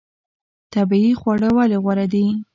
طبیعي خواړه ولې غوره دي؟